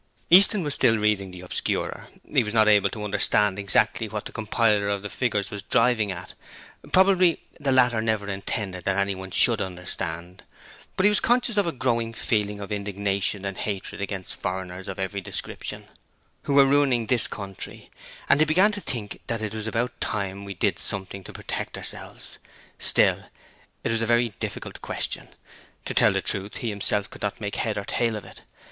Easton was still reading the Obscurer; he was not about to understand exactly what the compiler of the figures was driving at probably the latter never intended that anyone should understand but he was conscious of a growing feeling of indignation and hatred against foreigners of every description, who were ruining this country, and he began to think that it was about time we did something to protect ourselves. Still, it was a very difficult question: to tell the truth, he himself could not make head or tail of it.